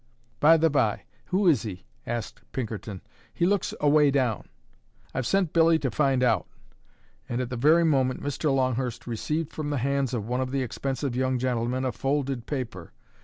"By the by, who is he?" asked Pinkerton. "He looks away down." "I've sent Billy to find out." And at the very moment Mr. Longhurst received from the hands of one of the expensive young gentlemen a folded paper.